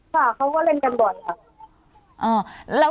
ค่ะเขาก็เล่นกันบ่อยค่ะ